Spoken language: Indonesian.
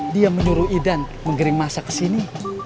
dia menyuruh idan mengering masak kesini